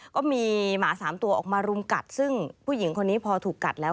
ก็มีหมา๓ตัวออกมารุมกัดซึ่งผู้หญิงคนนี้พอถูกกัดแล้ว